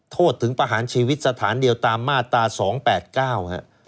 โทษถึงประหารชีวิตสถานเดียวตามมาตราสองแปดเก้าฮะ